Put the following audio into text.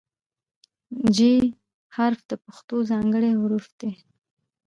د "ژ" حرف د پښتو ځانګړی حرف دی.